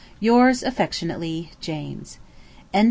Yours affectionately, JAMES. Letter 48.